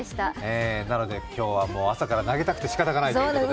なので今日は朝から投げたくてしかたがないという。